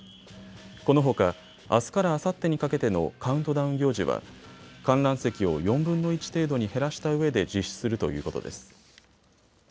このほかあすからあさってにかけてのカウントダウン行事は観覧席を４分の１程度に減らしたうえで実施するということです。